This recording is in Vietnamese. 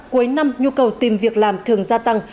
cuối năm nhu cầu tìm việc làm thường gia tăng